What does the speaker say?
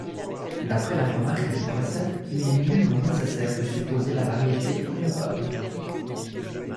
D'après la remarque qui précède, il n'est nullement nécessaire de supposer la variété orientable.